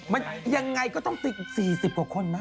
มันยังไงก็ต้องติด๔๐กว่าคนไหม